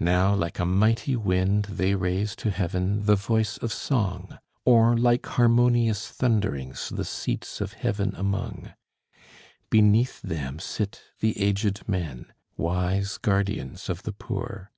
Now like a mighty wind they raise to heaven the voice of song, Or like harmonious thunderings the seats of heaven among: Beneath them sit the aged men, wise guardians of the poor.